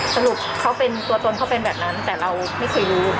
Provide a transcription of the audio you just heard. สรุปเขาเป็นตัวตนเขาเป็นแบบนั้นแต่เราไม่เคยรู้